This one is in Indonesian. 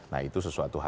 nah itu sesuatu hal